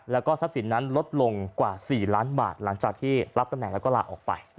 แล้วก็ทรัพย์สินนั้นลดลงกว่า๔ล้านบาทหลังจากที่รับตำแหน่งแล้วก็ลาออกไป